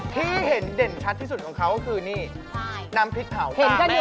ที่เห็นเด่นชัดที่สุดของเขาก็คือนี่น้ำพริกเผาตาแม่